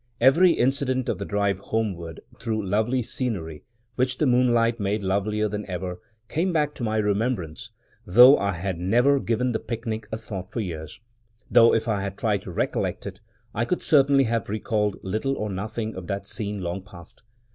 Every incident of the drive homeward, through lovely scenery, which the moonlight made lovelier than ever, came back to my remembrance, though I had never given the picnic a thought for years; though, if I had tried to recollect it, I could certainly have recalled little or nothing of that scene long past.